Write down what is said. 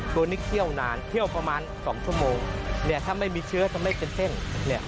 ตัวนี้เคี่ยวนานเคี่ยวประมาณสองชั่วโมงเนี่ยถ้าไม่มีเชื้อจะไม่เป็นเส้นเนี่ย